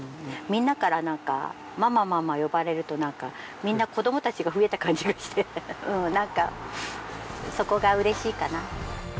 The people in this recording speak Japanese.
みんなからなんかママママ呼ばれるとみんな子供たちが増えた感じがしてなんかそこが嬉しいかな。